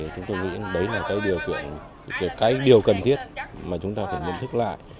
chúng tôi nghĩ đấy là điều cần thiết mà chúng ta phải nhận thức lại